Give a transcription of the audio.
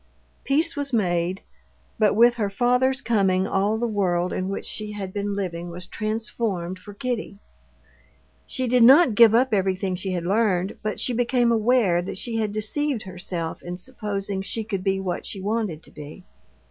Peace was made. But with her father's coming all the world in which she had been living was transformed for Kitty. She did not give up everything she had learned, but she became aware that she had deceived herself in supposing she could be what she wanted to be.